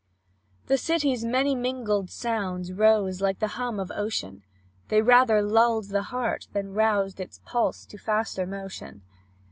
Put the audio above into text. The city's many mingled sounds Rose like the hum of ocean; They rather lulled the heart than roused Its pulse to faster motion.